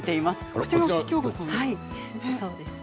こちらが京香さんですね。